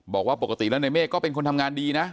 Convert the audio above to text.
บอกว่าปกติแล้วในเมฆก็เป็นคนทำงานดีนะ